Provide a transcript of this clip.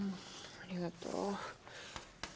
ありがとう。